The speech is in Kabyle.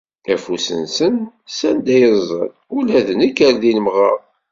Afus-nsen s anda yeẓẓel ula d nekk ar din mmɣeɣ.